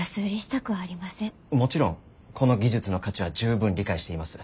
もちろんこの技術の価値は十分理解しています。